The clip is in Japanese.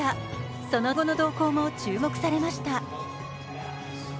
その後の動向も注目されました。